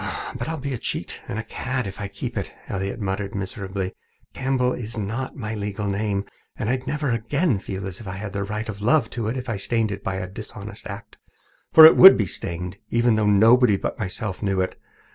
"But I'll be a cheat and a cad if I keep it," Elliott muttered miserably. "Campbell isn't my legal name, and I'd never again feel as if I had even the right of love to it if I stained it by a dishonest act. For it would be stained, even though nobody but myself knew it.